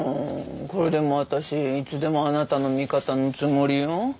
これでも私いつでもあなたの味方のつもりよ。